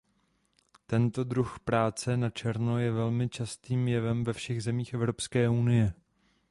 Tento druh práce na černo je velmi častým jevem ve všech zemích Evropské unie.